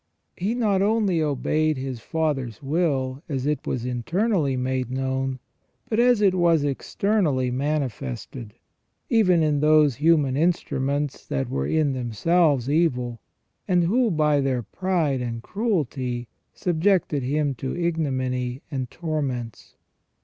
He not only obeyed His Father's will as it was internally made known, but as it was externally manifested, even in those human instruments that were in themselves evil, and who by their pride and cruelty subjected Him to ignominy and torments.